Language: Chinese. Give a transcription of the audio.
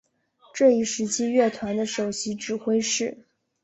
这一时期乐团的首席指挥是。